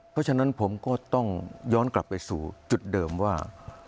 เพราะฉะนั้นผมก็ต้องย้อนกลับไปสู่จุดเดิมว่า